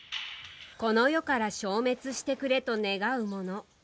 この世から消滅してくれと願うもの。